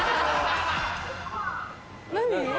何？